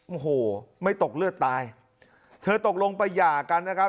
โอ้โหไม่ตกเลือดตายเธอตกลงไปหย่ากันนะครับ